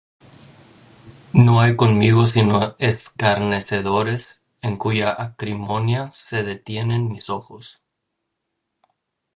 No hay conmigo sino escarnecedores, En cuya acrimonia se detienen mis ojos.